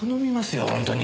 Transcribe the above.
本当に。